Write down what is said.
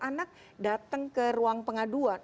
anak datang ke ruang pengaduan